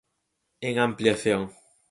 En ampliación.